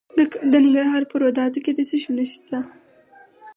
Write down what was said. د ننګرهار په روداتو کې د څه شي نښې دي؟